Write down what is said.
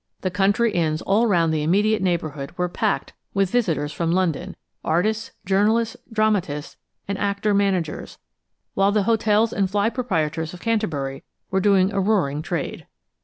The country inns all round the immediate neighbourhood were packed with visitors from London, artists, journalists, dramatists, and actor managers, whilst the hotels and fly proprietors of Canterbury were doing a roaring trade.